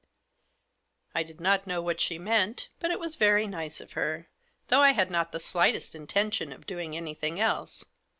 " I did not know what she meant, but it was very nice of her, though I had not the slightest intention of doing anything else.